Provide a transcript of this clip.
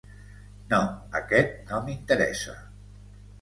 No, aquest no m'interessa.